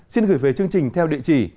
xin gửi về chương trình theo địa chỉ